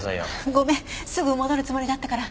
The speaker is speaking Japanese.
ごめんすぐ戻るつもりだったから。